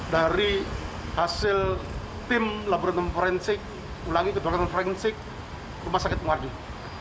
dari hasil tim laboratorium forensik ulangi ke laboratorium forensik rumah sakit mengarduh